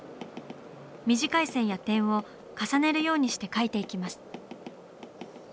短い線や点を重ねるようにして描いていきます。